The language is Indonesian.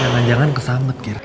jangan jangan kesanget gir